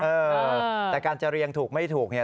เออแต่การจะเรียงถูกไม่ถูกเนี่ย